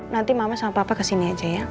nanti mama sama papa kesini aja ya